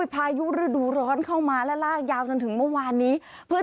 พายุฤดูร้อนเข้ามาและลากยาวจนถึงเมื่อวานนี้เพื่อ